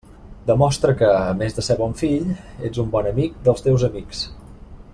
Demostra que, a més de ser bon fill, ets un bon amic dels teus amics.